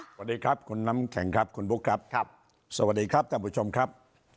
สวัสดีครับคุณน้ำแข็งครับคุณบุ๊คครับครับสวัสดีครับท่านผู้ชมครับ